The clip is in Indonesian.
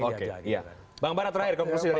ngajak gitu kan bank barat terakhir